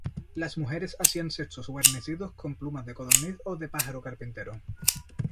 Las mujeres hacían cestos guarnecidos con plumas de codorniz o de pájaro carpintero.